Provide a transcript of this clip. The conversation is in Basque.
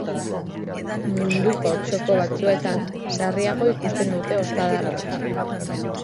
Munduko txoko batzuetan sarriago ikusten dute ostadarra.